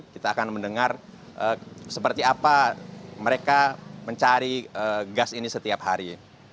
kita akan mendengar seperti apa mereka mencari gas ini setiap hari